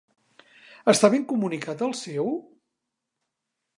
Està ben comunicat el seu??